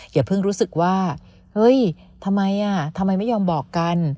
อย่าเพิ่งรู้สึกว่าเฮ้ยทำไมทำไมไม่ยอมบอกกัน